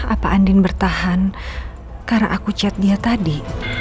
apa andin bertahan karena aku chat dia tadi